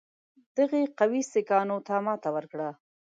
دغې قوې سیکهانو ته ماته ورکړه.